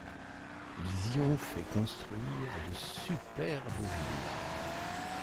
Ils y ont fait construire de superbes villas.